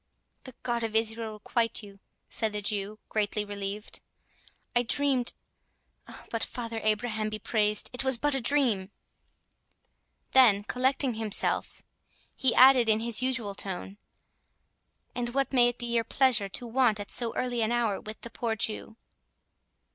"The God of Israel requite you," said the Jew, greatly relieved; "I dreamed—But Father Abraham be praised, it was but a dream." Then, collecting himself, he added in his usual tone, "And what may it be your pleasure to want at so early an hour with the poor Jew?"